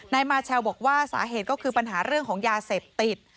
นายมาเชลบอกว่าสาเหตุก็คือปัญหาเรื่องของยาเสพติด